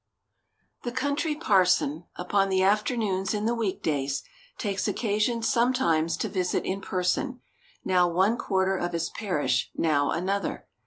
The Country Parson, upon the afternoons in the week days, takes occasion sometimes to visit in person, now one quarter of his parish, now another.